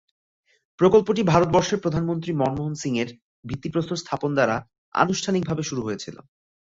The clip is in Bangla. প্রকল্পটি ভারতবর্ষের প্রধানমন্ত্রী মনমোহন সিংয়ের ভিত্তি প্রস্তর স্থাপন দ্বারা আনুষ্ঠানিকভাবে শুরু হয়েছিল।